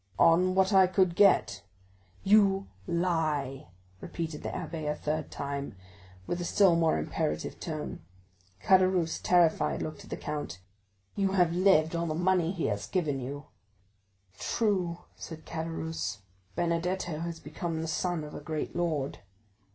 "On what I could get." "You lie," repeated the abbé a third time, with a still more imperative tone. Caderousse, terrified, looked at the count. "You have lived on the money he has given you." "True," said Caderousse; "Benedetto has become the son of a great lord."